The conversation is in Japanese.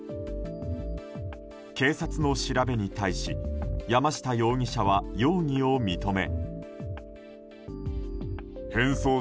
警察の調べに対し山下容疑者は容疑を認め。